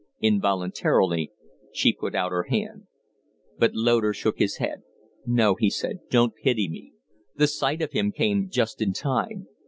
Involuntarily she put out her hand. But Loder shook his head. "No," he said, "don't pity me! The sight of him came just in time.